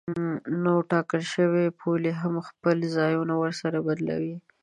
نو ټاکل شوې پولې هم خپل ځایونه ورسره بدلوي.